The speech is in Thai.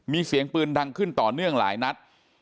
มีเสียงปืนดังขึ้นต่อเนื่องหลายนัด